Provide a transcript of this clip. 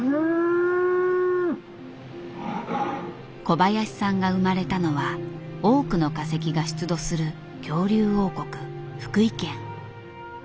小林さんが生まれたのは多くの化石が出土する恐竜王国福井県。